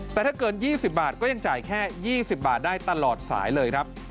แต่ถ้าเกิน๒๐บาทก็ยังจ่ายแค่๒๐บาทได้ตลอดสายเลยครับ